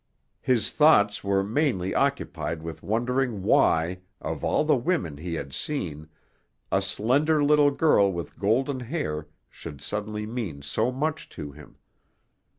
His thoughts were mainly occupied with wondering why, of all the women he had seen, a slender little girl with golden hair should suddenly mean so much to him.